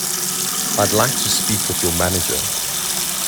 I'd like to speak with your manager.